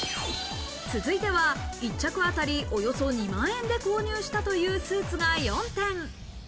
続いては１着あたり、およそ２万円で購入したというスーツが４点。